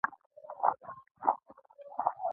د ولاړېدو سېکه یې نه درلوده.